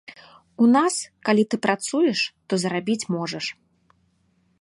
У нас, калі ты працуеш, то зарабіць можаш.